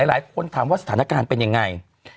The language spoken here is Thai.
หลายคนถามว่าสถานการณ์เป็นยังไง